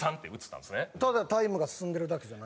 ただタイムが進んでるだけじゃないの？